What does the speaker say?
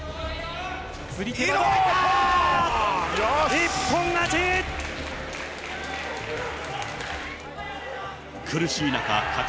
一本勝ち。